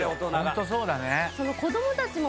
ホントそうだね